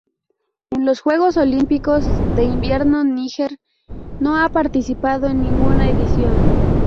En los Juegos Olímpicos de Invierno Níger no ha participado en ninguna edición.